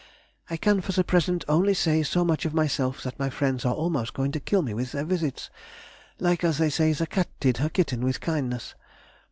I can for the present only say so much of myself that my friends are almost going to kill me with their visits, like, as they say, the cat did her kitten with kindness.